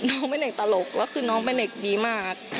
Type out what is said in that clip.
น้องเป็นเด็กตลกแล้วคือน้องเป็นเด็กดีมาก